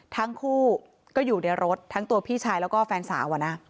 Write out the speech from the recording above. ทั้งคู่ก็อยู่ในรถทั้งตัวพี่ชายแล้วก็แฟนสาว